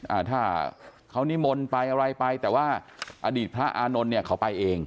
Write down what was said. อ่าถ้าเขานิมนต์ไปอะไรไปแต่ว่าอดีตพระอานนท์เนี่ยเขาไปเอง